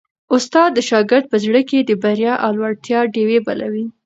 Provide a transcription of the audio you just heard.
استاد د شاګرد په زړه کي د بریا او لوړتیا ډېوې بلوي.